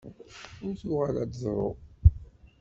Ur tuɣal ad teḍṛu!